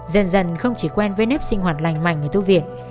dần dần không chỉ quen với nếp sinh hoạt lành mạnh ở thu viện